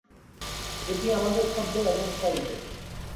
এটি আমাদের খাদ্য এবং ফল দেয়।